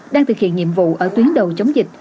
đang thực hiện nhiệm vụ ở tuyến đầu chống dịch